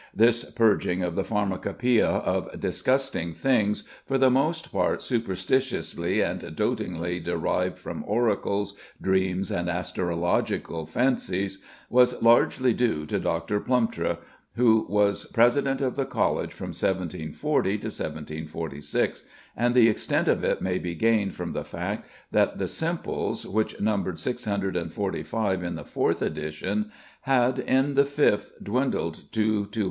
This purging of the Pharmacopœia of disgusting things, "for the most part superstitiously and doatingly derived from oracles, dreams, and astrological fancies," was largely due to Dr. Plumptre, who was president of the College from 1740 to 1746, and the extent of it may be gained from the fact that the "simples," which numbered 645 in the fourth edition, had, in the fifth, dwindled to 208.